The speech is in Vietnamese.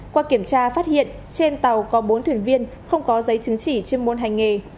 qua kiểm tra phát hiện trên tàu có bốn thuyền viên không có giấy chứng chỉ chuyên môn hành nghề